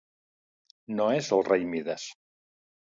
No és el rei Mides.